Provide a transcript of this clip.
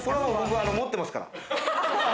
僕は持ってますから。